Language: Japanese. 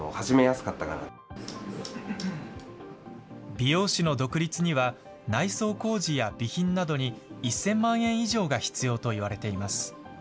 美容師の独立には、内装工事や備品などに１０００万円以上が必要といわれています。